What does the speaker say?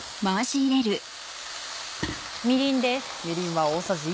みりんです。